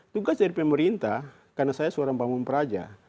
tugas dari pemerintah karena saya seorang panggung peraja